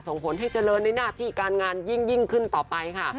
ส่งผลให้เจริญในหน้าที่การงานยิ่งขึ้นต่อไปค่ะ